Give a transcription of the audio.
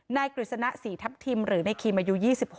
กฤษณะศรีทัพทิมหรือในคิมอายุ๒๖